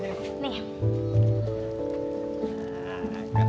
dapet nih mbak matpah